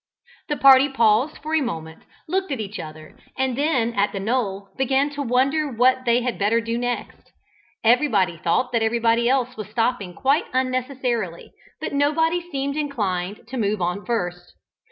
The party paused for a moment, looked at each other and then at the knoll, and began to wonder what they had better do next. Everybody thought that everybody else was stopping quite unnecessarily, but nobody seemed inclined to move on first.